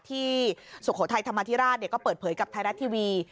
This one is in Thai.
สุโขทัยธรรมธิราชก็เปิดเผยกับไทยรัฐทีวี